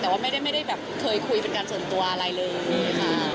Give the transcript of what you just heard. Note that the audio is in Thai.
แต่ว่าไม่ได้แบบเคยคุยเป็นการส่วนตัวอะไรเลยนี่ค่ะ